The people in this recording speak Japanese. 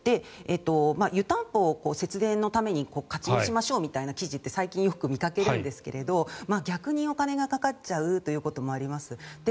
湯たんぽを節電のために活用しましょうという記事は最近よく見かけるんですが逆にお金がかかっちゃうということもあります。